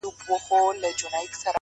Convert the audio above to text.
سبا به نه وي لکه نه وو زېږېدلی چنار!